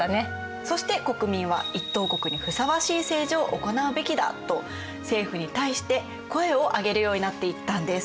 そして国民は「一等国にふさわしい政治を行うべきだ」と政府に対して声を上げるようになっていったんです。